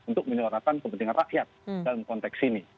untuk menyuarakan kepentingan rakyat dalam konteks ini